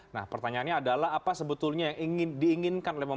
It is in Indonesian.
nah pertanyaannya adalah apa sebetulnya yang diinginkan oleh pemerintah